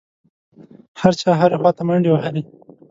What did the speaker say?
هر چا هرې خوا ته منډې وهلې.